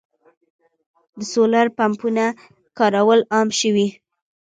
د سولر پمپونو کارول عام شوي.